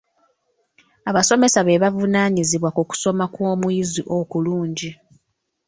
Abasomesa be bavunaanyizibwa ku kusoma kw'omuyizi okulungi.